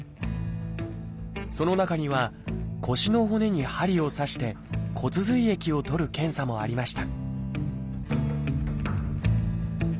その中には腰の骨に針を刺して骨髄液を採る検査もありました